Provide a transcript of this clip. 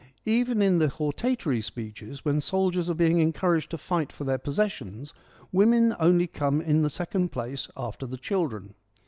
Even in the hortatory speeches, when soldiers are being encour aged to fight for their possessions, women only come in the second place after the children.